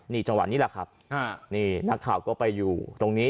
นี่จังหวะนี้แหละครับนี่นักข่าวก็ไปอยู่ตรงนี้